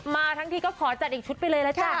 มาทั้งทีก็ขอจัดอีกชุดไปเลยละจ้ะ